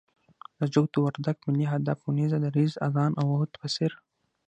د جغتو، وردگ، ملي هدف اونيزه، دريځ، آذان او عهد په څېر